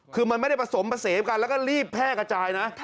คือมันไม่ได้ผสมผสมกันแล้วก็รีบแพร่กระจายนะ